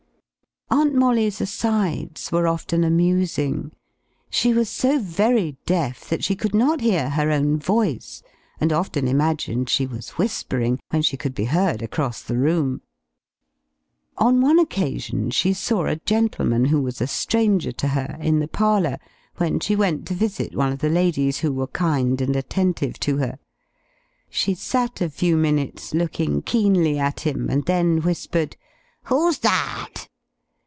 Aunt Molly's asides were often amusing. She was so very deaf that she could not hear her own voice, and often imagined she was whispering, when she could be heard across the room. On one occasion she saw a gentleman who was a stranger to her, in the parlor, when she went to visit one of the ladies who were kind and attentive to her. She sat a few minutes looking keenly at him, and then whispered, "Who's that?"